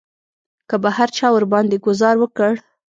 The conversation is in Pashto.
که به هر چا ورباندې ګوزار وکړ.